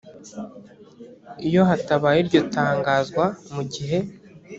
iyo hatabaye iryo tangazwa mu gihe